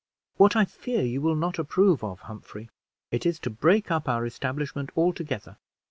"What I fear you will not approve of, Humphrey; it is to break up our establishment altogether.